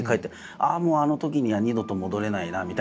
ああもうあのときには二度と戻れないなみたいな。